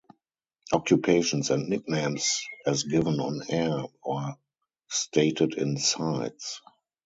Occupations and nicknames as given on air or stated in cites.